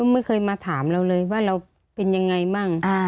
ไม่เคยมาถามเราเลยว่าเราเป็นยังไงบ้าง